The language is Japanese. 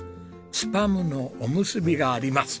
スパムのおむすびがあります。